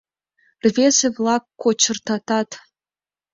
РВЕЗЕ-ВЛАК КОЧЫРТАТАТ